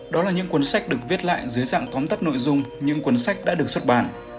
đó là những cuốn sách được viết lại dưới dạng tóm tắt nội dung những cuốn sách đã được xuất bản